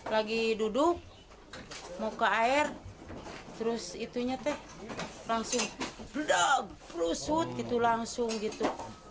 lagi duduk mau ke air terus itunya langsung gelap perusut langsung gitu